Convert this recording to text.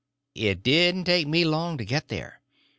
It didn't take me long to get there.